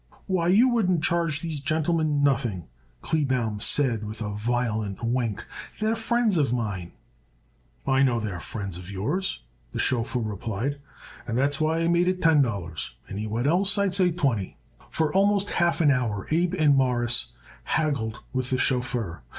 "Why, you wouldn't charge these gentlemen nothing," Kleebaum said with a violent wink. "They're friends of mine." "I know they was friends of yours," the chauffeur replied, "and that's why I made it ten dollars. Anyone else I'd say twenty." For almost half an hour Abe and Morris haggled with the chauffeur.